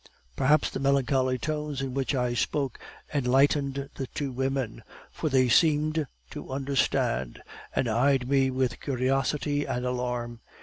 "Perhaps the melancholy tones in which I spoke enlightened the two women, for they seemed to understand, and eyed me with curiosity and alarm.